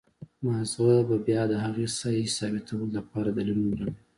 مازغه به بيا د هغې سهي ثابتولو د پاره دليلونه راوړي